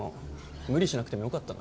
無理しなくてもよかったのに。